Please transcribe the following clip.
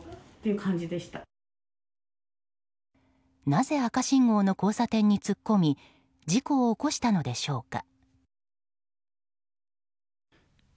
なぜ赤信号の交差点に突っ込み事故を起こしたのでしょうか。